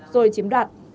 rồi chiếm đoạt